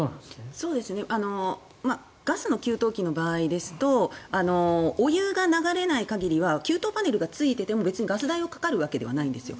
ガスの給湯器の場合ですとお湯が流れない限りは給湯パネルがついていても別にガス代はかかるわけではないんです。